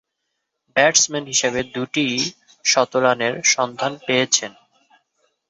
Batsman হিসেবে দুইটি শতরানের সন্ধান পেয়েছেন।